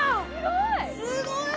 すごい！